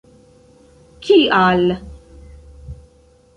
Kial?